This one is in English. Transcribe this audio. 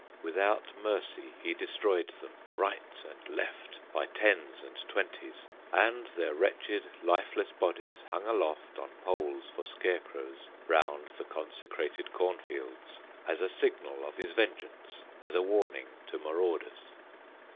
Without mercy he destroyed them Right and left, by tens and twenties, And their wretched, lifeless bodies Hung aloft on poles for scarecrows Round the consecrated cornfields, As a signal of his vengeance, As a warning to marauders.